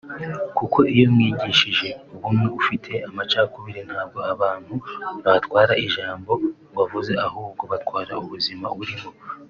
kuko iyo wigishije ubumwe ufite amacakubiri ntabwo abantu batwara ijambo wavuze ahubwo batwara ubuzima urimo